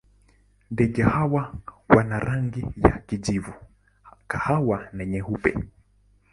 Ndege hawa wana rangi za kijivu, kahawa na nyeupe.